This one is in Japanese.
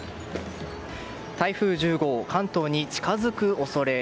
台風１０号、関東に近づく恐れ。